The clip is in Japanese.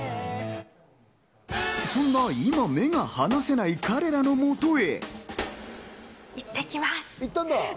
そんな今、目が離せない彼らの元へ。